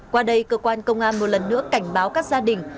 qua đây cơ quan công an một lần nữa cảnh báo các gia đình